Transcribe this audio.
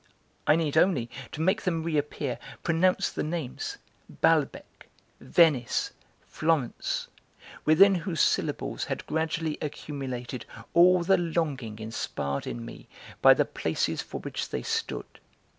I need only, to make them reappear, pronounce the names: Balbec, Venice, Florence, within whose syllables had gradually accumulated all the longing inspired in me by the places for which they stood.